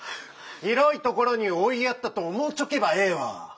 広いところに追いやったと思うちょけばええわ。